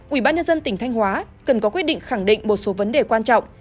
ủy ban nhân dân tỉnh thanh hóa cần có quyết định khẳng định một số vấn đề quan trọng